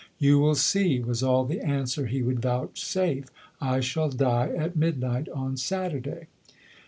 "You will see," was all the answer he would vouchsafe, "I shall die at midnight on Saturday."